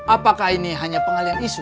apakah ini hanya pengalian isu